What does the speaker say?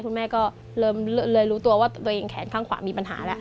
คุณแม่ก็เลยรู้ตัวว่าตัวเองแขนข้างขวามีปัญหาแล้ว